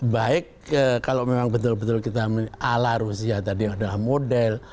baik kalau memang betul betul kita ala rusia tadi adalah model